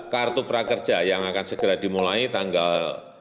kartu prakerja yang akan segera dimulai tanggal